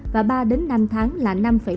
và ba đến năm tháng là năm một